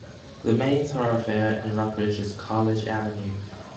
The main thoroughfare in Rockridge is College Avenue.